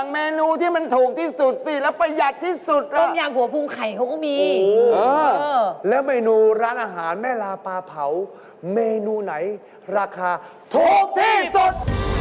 เมนูไหนราคาถูกที่สุด